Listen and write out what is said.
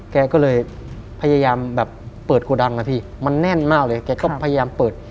แกก็เลยพยายามแบบเปิดโกดังนะพี่มันแน่นมากเลยแกก็พยายามเปิด